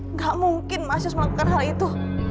nggak mungkin mas yos melakukan hal itu